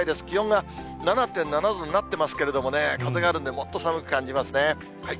気温が７．７度になってますけれどもね、風があるんで、もっと寒く感じますね。